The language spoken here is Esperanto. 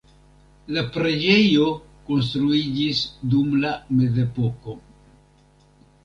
La preĝejo konstruiĝis dum la mezepoko.